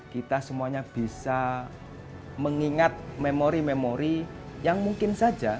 kita semuanya bisa mengingat memori memori yang mungkin saja